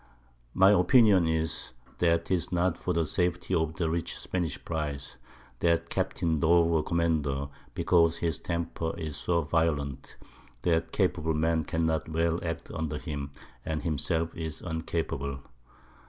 _] My Opinion is, That 'tis not for the Safety of the rich Spanish Prize, that Capt. Dover _command her, because his Temper is so violent, that capable Men cannot well act under him, and himself is uncapable.